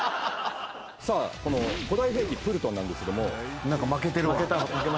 さあこの古代兵器プルトンなんですけども。